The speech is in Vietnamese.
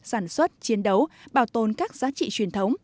sản xuất chiến đấu bảo tồn các giá trị truyền thống